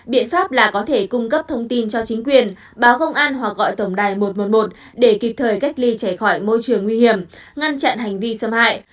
biện pháp là có thể cung cấp thông tin cho chính quyền báo công an hoặc gọi tổng đài một trăm một mươi một để kịp thời cách ly trẻ khỏi môi trường nguy hiểm ngăn chặn hành vi xâm hại